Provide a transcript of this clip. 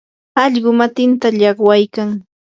allqu matinta llaqwaykan.